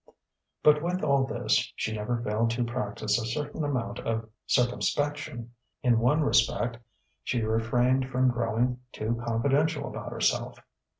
But with all this she never failed to practise a certain amount of circumspection. In one respect, she refrained from growing too confidential about herself.